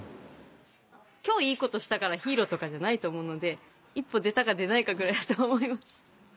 今日いいことしたからヒーローとかじゃないと思うので一歩出たか出ないかぐらいだと思います。